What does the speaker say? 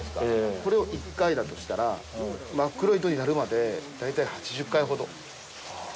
これを１回だとしたら真っ黒い糸になるまで大体８０回ほど。